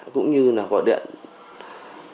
cũng như gọi điện nhắn tin